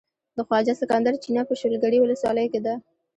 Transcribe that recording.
د خواجه سکندر چينه په شولګرې ولسوالۍ کې ده.